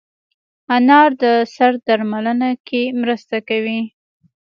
انار د سر درملنه کې مرسته کوي.